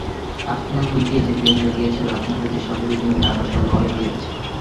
আপনা হইতেই যে প্রেম জাগিয়াছিল, আপনা হইতে স্বাভাবিক নিয়মে আবার তা লয় পাইয়াছে।